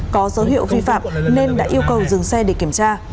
có dấu hiệu vi phạm nên đã yêu cầu dừng xe để kiểm tra